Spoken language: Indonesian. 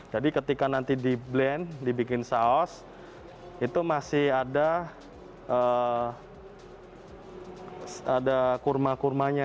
jadi ketika nanti di blend dibikin saus itu masih ada kurma kurmanya